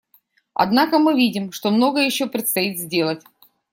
Однако мы видим, что многое еще предстоит сделать.